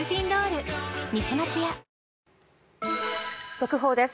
速報です。